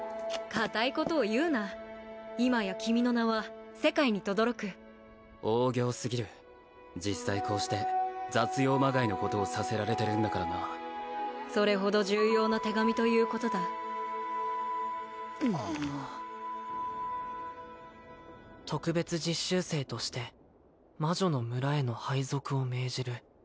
固いことを言うな今や君の名は世界にとどろく大仰すぎる実際こうして雑用まがいのことをさせられてるんだからなそれほど重要な手紙ということだ「特別実習生として」「魔女の村への配属を命じる」